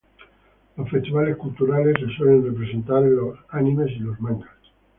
Los festivales culturales se suelen representar en los animes y los mangas.